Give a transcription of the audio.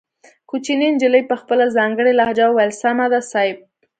کوچنۍ نجلۍ په خپله ځانګړې لهجه وويل سمه ده صيب.